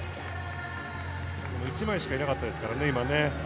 １枚しかいなかったですからね、今ね。